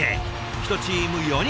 １チーム４人。